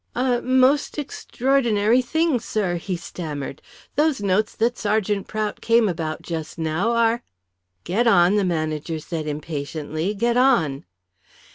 "A most extraordinary thing, sir," he stammered. "Those notes that Sergeant Prout came about just now are " "Get on," the manager said impatiently, "Get on."